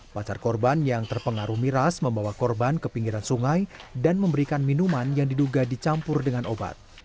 pacar korban yang terpengaruh miras membawa korban ke pinggiran sungai dan memberikan minuman yang diduga dicampur dengan obat